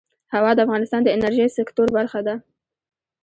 هوا د افغانستان د انرژۍ سکتور برخه ده.